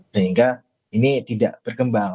sehingga ini tidak berkembang